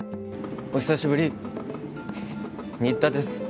お久しぶり新田です